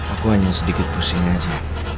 aku hanya sedikit pusing aja